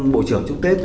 bộ trưởng chúc tết